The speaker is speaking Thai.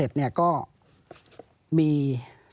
ปีอาทิตย์ห้ามีส